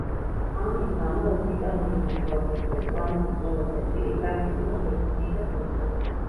ამის გამო ორბიტალური მოძრაობის დროს პლანეტის ყველა წერტილი პრაქტიკულად ერთნაირად მოძრაობს.